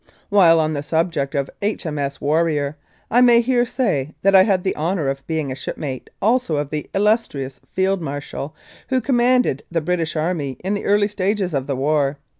While on the subject of H.M.S. Warrior, I may here say that I had the honour of being a shipmate also of the illustrious Field Marshal who commanded the British army in the early stages of the war.